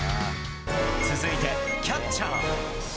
続いてキャッチャー。